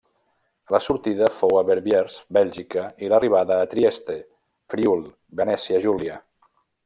La sortida fou a Verviers, Bèlgica, i l'arribada a Trieste, Friül-Venècia Júlia.